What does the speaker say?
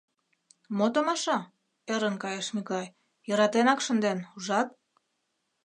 «Мо томаша? — ӧрын кайыш Миклай. — йӧратенак шынден, ужат?